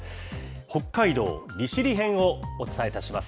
北海道利尻編をお伝えいたします。